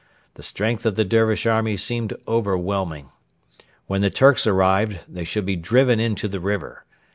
The strength of the Dervish army seemed overwhelming. When the 'Turks' arrived, they should be driven into the river.